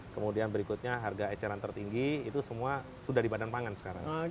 kemudian berikutnya harga eceran tertinggi itu semua sudah di badan pangan sekarang